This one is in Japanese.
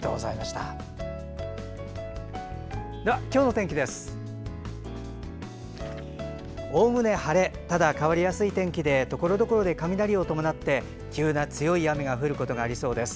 ただ、変わりやすい天気でところどころで雷を伴って急な強い雨が降ることがありそうです。